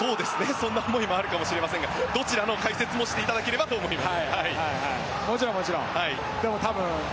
そんな思いもあるかもしれませんがどちらの解説もしていただければと思います。